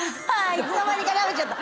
いつの間にか食べちゃった。